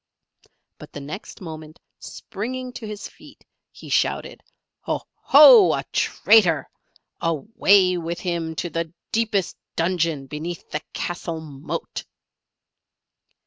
But the next moment springing to his feet, he shouted, "Ho! ho! A traitor! Away with him to the deepest dungeon beneath the castle moat!"